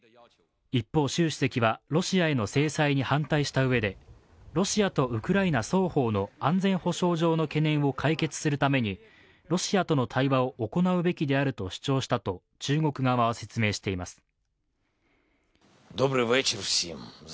一方、習主席はロシアへの制裁に反対したうえでロシアとウクライナ双方の安全保障上の懸念を解決するためにロシアとの対話を行うべきであると主張したと中国側は説明しています。